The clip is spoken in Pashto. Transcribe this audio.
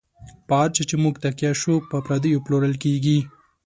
په هر چا چی موږ تکیه شو، په پردیو پلورل کیږی